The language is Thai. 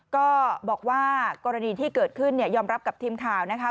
ก็บอกว่ากรณีที่เกิดขึ้นยอมรับกับทีมข่าวนะคะ